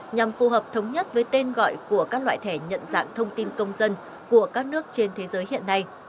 nhằm phù hợp thống nhất với tên gọi của các loại thẻ nhận dạng thông tin công dân của các nước trên thế giới hiện nay